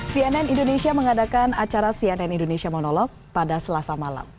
cnn indonesia mengadakan acara cnn indonesia monolog pada selasa malam